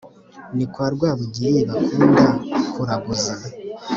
Ni kwa Rwabugiri bakunda kuraguza